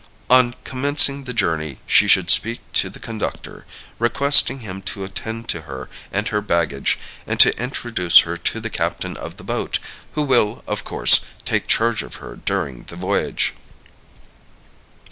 On commencing the journey, she should speak to the conductor, requesting him to attend to her and her baggage, and to introduce her to the captain of the boat, who will, of course, take charge of her during the voyage.